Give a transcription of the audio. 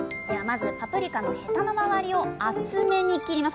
まずパプリカのヘタの周りを厚めに切ります。